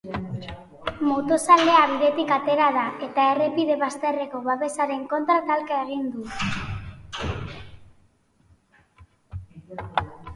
Motozalea bidetik atera da eta errepide bazterreko babesaren kontra talka egin du.